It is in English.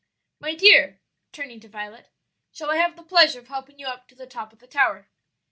"My dear," turning to Violet, "shall I have the pleasure of helping you up to the top of the tower?"